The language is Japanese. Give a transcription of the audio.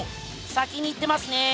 先に行ってますね。